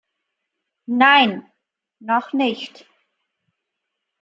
Nein, noch nicht.